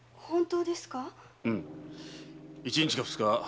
本当ですか？